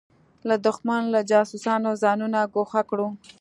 له دښمن له جاسوسانو ځانونه ګوښه کړو.